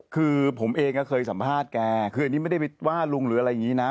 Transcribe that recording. คือผมเองก็เคยสัมภาษณ์แกคืออันนี้ไม่ได้ไปว่าลุงหรืออะไรอย่างนี้นะ